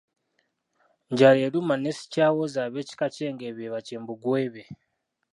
Njaleeruma ne Sikyawoza ab'ekika ky'Engeye be Bakimbugwe be.